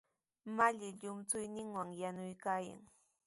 Malli llumchuyninwan yanukuykan.